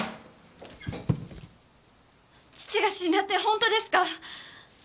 父が死んだって本当ですか？